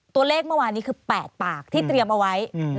ตัวเลขเมื่อวานนี้คือ๘ปากที่เตรียมเอาไว้